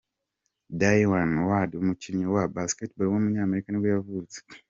Dwyane Wade, umukinnyi wa basketball w’umunyamerika nibwo yavutse.